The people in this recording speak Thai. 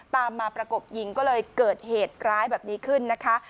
ตามมาประกบยิงก็เลยเกิดเหตุร้ายแบบนี้ขึ้นนะคะ